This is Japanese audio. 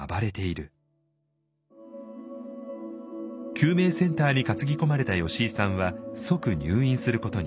救命センターに担ぎ込まれた吉井さんは即入院することに。